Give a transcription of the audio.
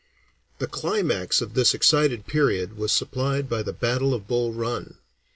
The climax of this excited period was supplied by the battle of Bull Run.